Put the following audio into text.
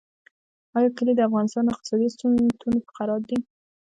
آیا کلي د افغانستان اقتصادي ستون فقرات دي؟